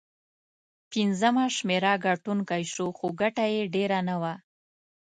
پنځمه شمېره ګټونکی شو، خو ګټه یې ډېره نه وه.